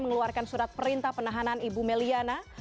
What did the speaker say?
mengeluarkan surat perintah penahanan ibu may liana